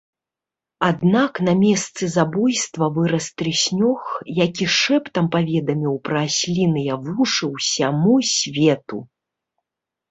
Аднак на месцы забойства вырас трыснёг, які шэптам паведаміў пра асліныя вушы ўсяму свету.